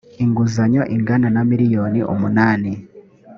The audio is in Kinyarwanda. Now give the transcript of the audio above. inguzanyo ingana na miliyoni umunani